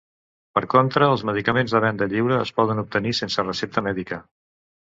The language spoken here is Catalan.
Per contra, els medicaments de venda lliure es poden obtenir sense recepta mèdica.